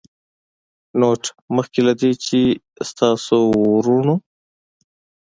نوټ: مخکې له دې چې ستاسې وروڼو